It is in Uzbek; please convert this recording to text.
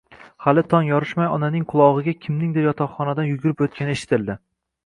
Hali tong yorishmay, onaning qulog`iga kimningdir yotoqxonadan yugurib o`tgani eshitildi